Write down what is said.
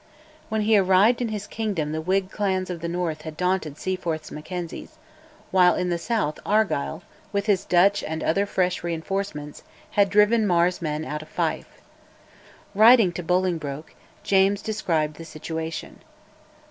When he arrived in his kingdom the Whig clans of the north had daunted Seaforth's Mackenzies, while in the south Argyll, with his Dutch and other fresh reinforcements, had driven Mar's men out of Fife. Writing to Bolingbroke, James described the situation.